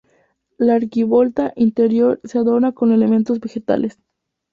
La arquivolta interior se adorna con elementos vegetales.